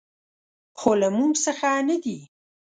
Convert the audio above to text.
خو له موږ څخه نه دي .